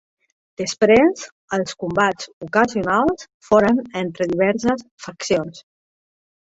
Després els combats ocasionals foren entre diverses faccions.